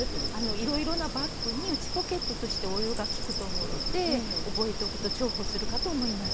いろいろなバッグに内ポケットとして応用が利くと思うので覚えておくと重宝するかと思います。